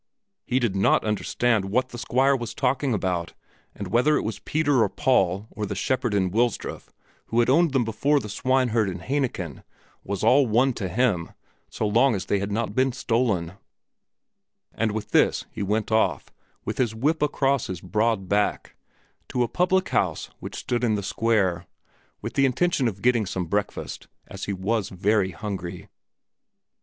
He did not understand what the Squire was talking about, and whether it was Peter or Paul, or the shepherd in Wilsdruf, who had owned them before the swineherd in Hainichen, was all one to him so long as they had not been stolen; and with this he went off, with his whip across his broad back, to a public house which stood in the square, with the intention of getting some breakfast, as he was very hungry.